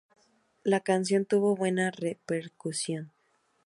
La canción tuvo buena repercusión.